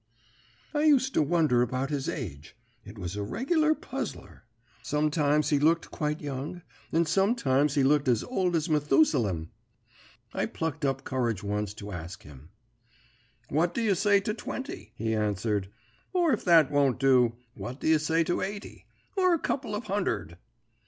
_ "I used to wonder about his age. It was a regular puzzler. Sometimes he looked quite young, and sometimes he looked as old as Methusalem. I plucked up courage once to ask him. "'What do you say to twenty?' he answered. 'Or if that won't do, what do you say to eighty, or a couple of hunderd?'